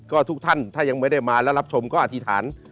ก็ทุกท่านถ้ายังไม่ได้มาแล้วรับชมก็อธิษฐาน